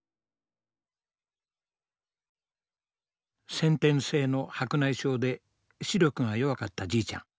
先天性の白内障で視力が弱かったじいちゃん。